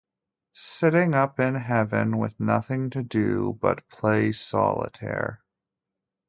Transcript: Sitting up in heaven, with nothing to do, but play solitaire.